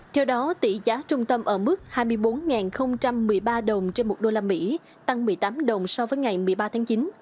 theo đó tỷ giá trung tâm ở mức hai mươi bốn một mươi ba đồng trên một đô la mỹ tăng một mươi tám đồng so với ngày một mươi ba tháng chín